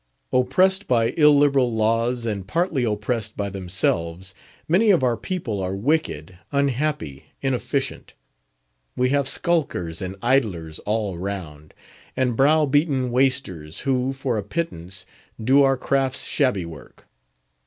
Oppressed by illiberal laws, and partly oppressed by themselves, many of our people are wicked, unhappy, inefficient. We have skulkers and idlers all round, and brow beaten waisters, who, for a pittance, do our craft's shabby work.